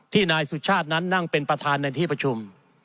นายสุชาตินั้นนั่งเป็นประธานในที่ประชุม